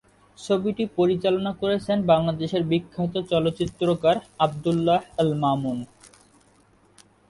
ছবিটি পরিচালনা করেছেন বাংলাদেশের বিখ্যাত চলচ্চিত্রকার আবদুল্লাহ আল মামুন।